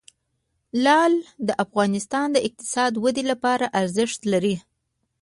لعل د افغانستان د اقتصادي ودې لپاره ارزښت لري.